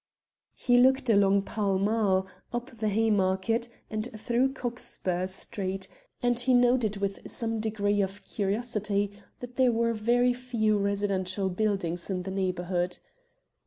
He looked along Pall Mall, up the Haymarket, and through Cockspur Street, and he noted with some degree of curiosity that there were very few residential buildings in the neighbourhood.